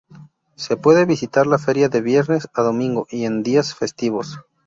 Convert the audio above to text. Se puede visitar la feria de viernes a domingo y en días festivos.